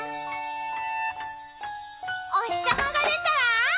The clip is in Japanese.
「おひさまがでたらわーい！